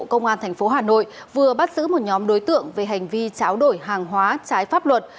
công an tp hà nội vừa bắt giữ một nhóm đối tượng về hành vi cháo đổi hàng hóa trái pháp luật